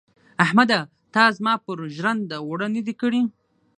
احمده تا زما پر ژرنده اوړه نه دې کړي.